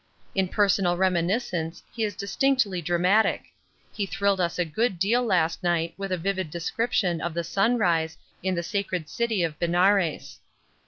In personal reminiscence he is distinctly dramatic he thrilled us a good deal last night with a vivid description of a sunrise in the sacred city of Benares.